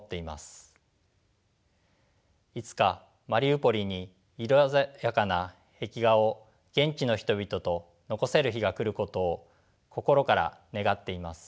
いつかマリウポリに色鮮やかな壁画を現地の人々と残せる日が来ることを心から願っています。